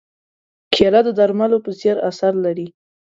کېله د درملو په څېر اثر لري.